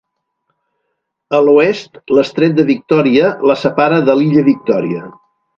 A l'oest l'estret de Victòria la separa de l'illa Victòria.